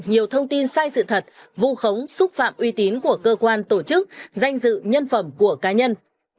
nhiều thông tin sai sự thật vu khống xúc phạm uy tín của cơ quan tổ chức danh dự nhân phẩm của cá nhân